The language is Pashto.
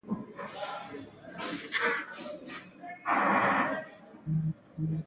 ازادي راډیو د د کانونو استخراج په اړه د نړیوالو سازمانونو راپورونه اقتباس کړي.